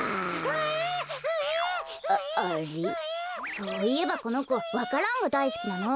そういえばこのこわか蘭がだいすきなの。